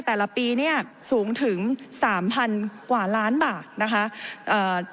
แต่ละปีเนี่ยสูงถึงสามพันกว่าล้านบาทนะคะ